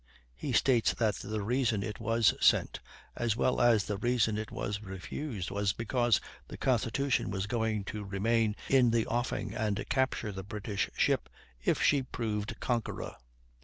He states that the reason it was sent, as well as the reason that it was refused, was because the Constitution was going to remain in the offing and capture the British ship if she proved conqueror.